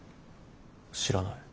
知らない。